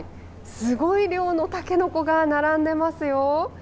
すごい量のたけのこが並んでいますよ。